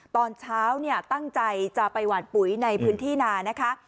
ตอนเช้าเนี่ยตั้งใจจะไปหวานปุ๋ยในพื้นที่นานะคะ